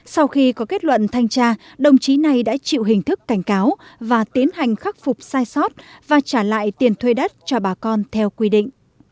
sau khi có kết luận thanh tra đồng chí này đã chịu hình thức cảnh cáo và tiến hành khắc phục sai sót và trả lại tiền thuê đất cho bà con theo quy định